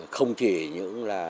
không chỉ những là